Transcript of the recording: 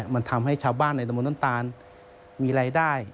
มันทำให้ชาวบ้านในตะบนน้ำตาลมีรายได้